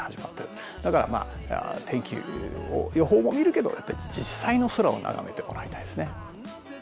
だから天気を予報も見るけど実際の空を眺めてもらいたいですね。